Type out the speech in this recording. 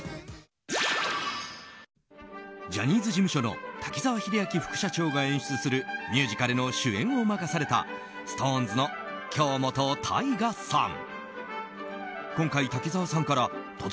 ジャニーズ事務所の滝沢秀明副社長が演出するミュージカルの主演を任されたＳｉｘＴＯＮＥＳの京本大我さん。